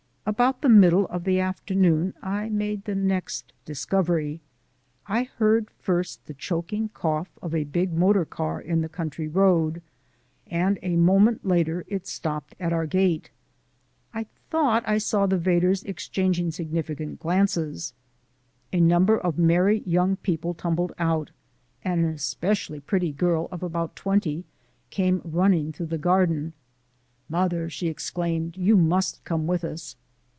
About the middle of the afternoon I made the next discovery. I heard first the choking cough of a big motor car in the country road, and a moment later it stopped at our gate. I thought I saw the Vedders exchanging significant glances. A number of merry young people tumbled out, and an especially pretty girl of about twenty came running through the garden. "Mother," she exclaimed, "you MUST come with us!"